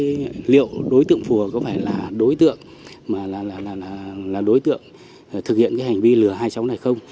thì liệu đối tượng phùa có phải là đối tượng mà là là là là là đối tượng thực hiện cái hành vi lừa hai cháu này không